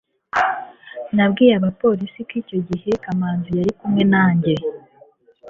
nabwiye abapolisi ko icyo gihe kamanzi yari kumwe nanjye